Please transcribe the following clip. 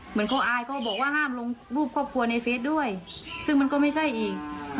เหมือนเขาอายเขาบอกว่าห้ามลงรูปครอบครัวในเฟสด้วยซึ่งมันก็ไม่ใช่อีก